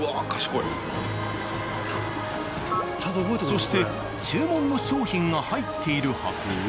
そして注文の商品が入っている箱を。